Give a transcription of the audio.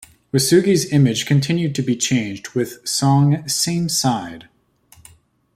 Wesugi's image continued to be changed with song "Same Side".